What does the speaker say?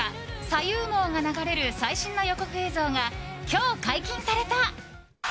「左右盲」が流れる最新の予告映像が今日解禁された。